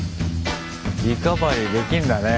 リカバリーできんだね。